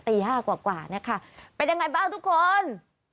ตี๕กว่าเนี่ยค่ะเป็นยังไงบ้างทุกคน